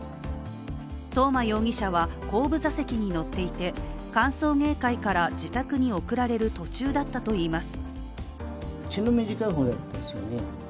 東間容疑者は後部座席に乗っていて歓送迎会から自宅に送られる途中だったといいます。